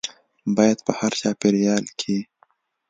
باید په هر چاپیریال کې